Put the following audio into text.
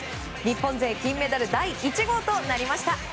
日本勢金メダル第１号となりました。